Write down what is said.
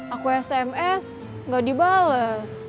aku sms gak dibalas